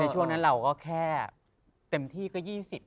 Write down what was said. ช่วงนั้นเราก็แค่เต็มที่ก็๒๐